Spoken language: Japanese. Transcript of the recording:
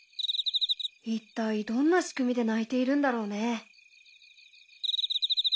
一体どんな仕組みで鳴いているんだろうね？